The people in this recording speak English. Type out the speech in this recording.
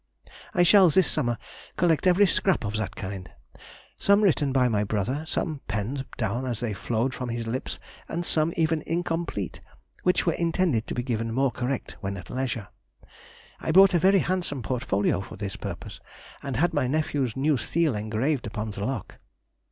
I shall this summer collect every scrap of that kind—some written by my brother, and some penned down as they flowed from his lips, and some even incomplete, which were intended to be given more correct when at leisure. I bought a very handsome portfolio for this purpose, and had my nephew's new seal engraved upon the lock.